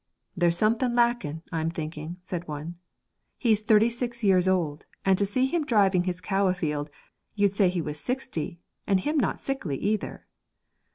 'There's something lacking, I'm thinking,' said one; 'he's thirty six years old, and to see him driving his cow afield, you'd say he was sixty, and him not sickly either.'